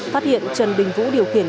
phát hiện trần đình vũ điều khiển